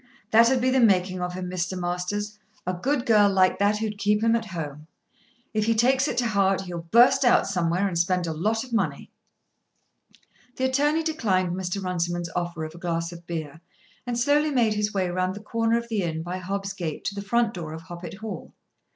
"That'd be the making of him, Mr. Masters; a good girl like that who'd keep him at home. If he takes it to heart he'll burst out somewhere and spend a lot of money." The attorney declined Mr. Runciman's offer of a glass of beer and slowly made his way round the corner of the inn by Hobb's gate to the front door of Hoppet Hall.